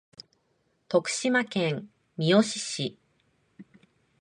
徳島県三好市